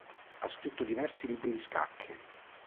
Ha scritto diversi libri di scacchi.